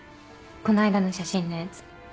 この間の写真のやつ。